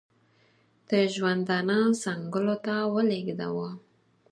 د ژوندانه څنګلو ته ولېږداوه.